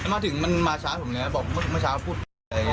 มาถึงมันมาช้าผมแล้วบอกว่าเมื่อเช้าพูดอะไร